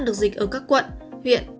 được dịch ở các quận huyện